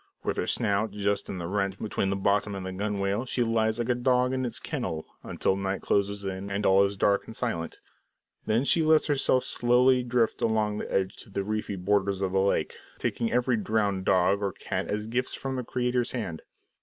With her snout just in the rent between the bottom and the gunwale, she lies like a dog in its kennel, until night closes in and all is dark and silent. Then she lets herself slowly drift along the edge to the reedy borders of the lake, taking every drowned dog or cat as gifts from the Creator's hand.